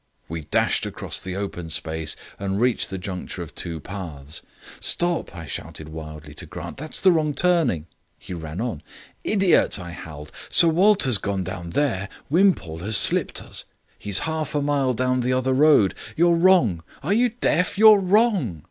We dashed across the open space and reached the juncture of two paths. "Stop!" I shouted wildly to Grant. "That's the wrong turning." He ran on. "Idiot!" I howled. "Sir Walter's gone down there. Wimpole has slipped us. He's half a mile down the other road. You're wrong... Are you deaf? You're wrong!"